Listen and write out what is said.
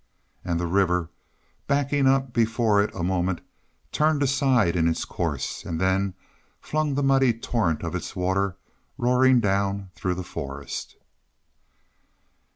And the river, backing up before it a moment, turned aside in its course, and flung the muddy torrent of its water roaring down through the forest.